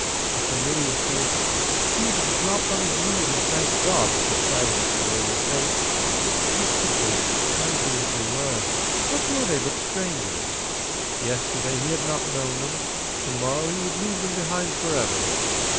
A familiar face he would have dropped on his knees and thanked God for the sight of a familiar face. These people, kindly as they were what were they but strangers? Yesterday he had not known them; to morrow he would leave them behind forever.